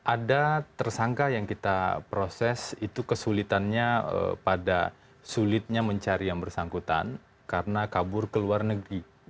ada tersangka yang kita proses itu kesulitannya pada sulitnya mencari yang bersangkutan karena kabur ke luar negeri